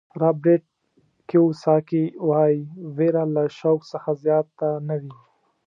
رابرټ کیوساکي وایي وېره له شوق څخه زیاته نه وي.